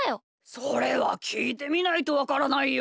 それはきいてみないとわからないよ。